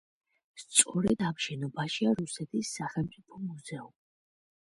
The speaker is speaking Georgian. სწორედ ამ შენობაშია რუსეთის სახელმწიფო მუზეუმი.